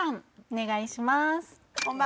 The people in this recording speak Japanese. お願いします